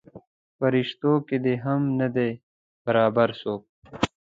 پریشتو کې دې هم نه دی برابر څوک.